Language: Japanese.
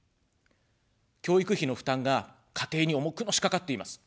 教育費の負担が家庭に重くのしかかっています。